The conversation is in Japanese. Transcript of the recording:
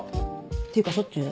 ていうかしょっちゅう？